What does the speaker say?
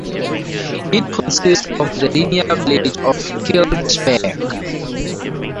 It consists of the linear village of Kilchberg.